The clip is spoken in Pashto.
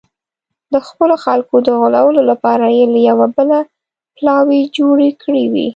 د خپلو خلکو د غولولو لپاره یې له یوه بله بلاوې جوړې کړې وې.